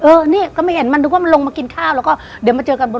เออนี่ก็ไม่เห็นมันนึกว่ามันลงมากินข้าวแล้วก็เดี๋ยวมาเจอกันบน